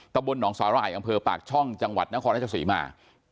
ตะบลหนองศาลร้ายอำเภอปากช่องจังหวัดนครรภาษีมา